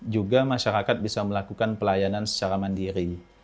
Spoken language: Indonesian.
juga masyarakat bisa melakukan pelayanan secara mandiri